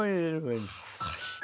はあすばらしい。